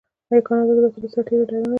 آیا کاناډا د وتلو سرتیرو اداره نلري؟